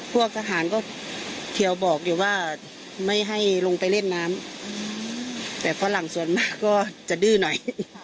พวกทหารก็เขียวบอกอยู่ว่าไม่ให้ลงไปเล่นน้ำแต่ฝรั่งส่วนมากก็จะดื้อหน่อย